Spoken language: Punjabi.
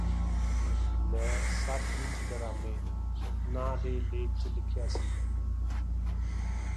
ਮੈਂ ਸੱਥ ਵਿਚ ਡਰਾਮੇ ਨਾਂ ਦੇ ਲੇਖ ਚ ਲਿਖਿਆ ਸੀ